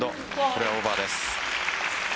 これはオーバーです。